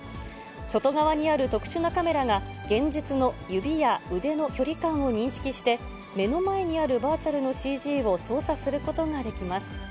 外側にある特殊なカメラが、現実の指や腕の距離感を認識して、目の前にあるバーチャルのＣＧを操作することができます。